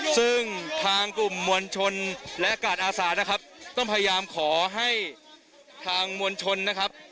ซึ่งทางกลุ่มมวลชนและกาดอาสานะครับต้องพยายามขอให้ทางมวลชนนะครับ